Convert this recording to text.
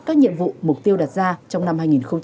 các nhiệm vụ mục tiêu đặt ra trong năm hai nghìn hai mươi